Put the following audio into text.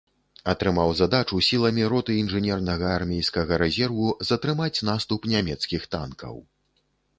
Атрымаў задачу сіламі роты інжынернага армейскага рэзерву затрымаць наступ нямецкіх танкаў.